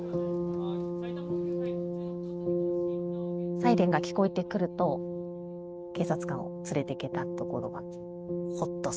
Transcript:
サイレンが聞こえてくると警察官を連れていけたところがホッとする。